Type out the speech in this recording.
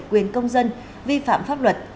quyền công dân vi phạm pháp luật